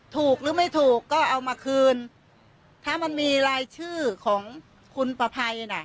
ถูกหรือไม่ถูกก็เอามาคืนถ้ามันมีรายชื่อของคุณประภัยน่ะ